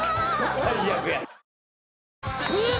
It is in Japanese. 最悪や。